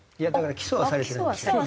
起訴はされてない？